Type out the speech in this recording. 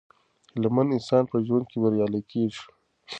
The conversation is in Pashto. هیله مند انسان په ژوند کې بریالی کیږي.